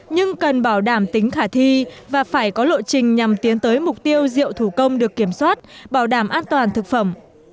nhưng cần bảo đảm tính khả thi và phải có lộ trình nhằm tiến tới mục tiêu rượu thủ công được kiểm soát bảo đảm an toàn thực phẩm